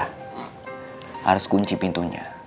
harus kunci pintunya